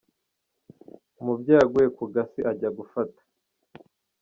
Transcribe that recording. Umubyeyi aguye ku gasi ajya gufata